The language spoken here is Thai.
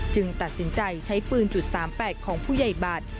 ตัดสินใจใช้ปืน๓๘ของผู้ใหญ่บัตร